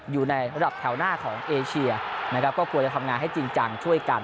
อยู่ในระดับแถวหน้าของเอเชียนะครับก็กลัวจะทำงานให้จริงจังช่วยกัน